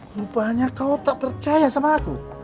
rupanya kau tak percaya sama aku